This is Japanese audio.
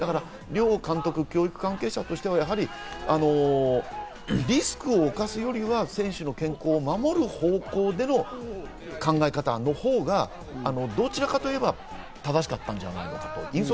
両監督、経験者としてはリスクを犯すよりは選手の健康を守る方向での考え方のほうがどちらかといえば正しかったんじゃないのかと。